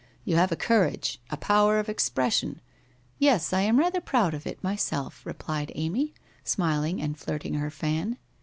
You have a courage, a power of expression '' Yes, I am rather proud of it myself,' replied Amy smiling and flirting her fan.